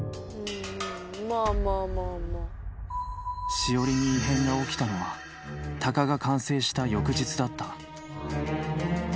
「シオリに異変が起きたのはタカが完成した翌日だった」